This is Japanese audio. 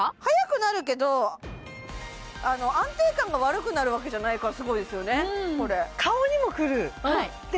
速くなるけど安定感が悪くなるわけじゃないからすごいですよね